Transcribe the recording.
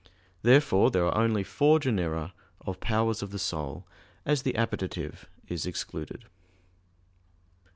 Therefore there are only four genera of powers of the soul, as the appetitive is excluded.